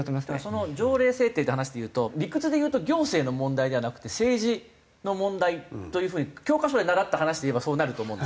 その条例制定っていう話でいうと理屈でいうと行政の問題ではなくて政治の問題という風に教科書で習った話でいえばそうなると思うんですよ。